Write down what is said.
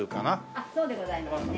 あっそうでございますね。